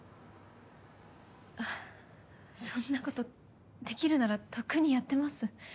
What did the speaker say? ははっそんなことできるならとっくにやってます。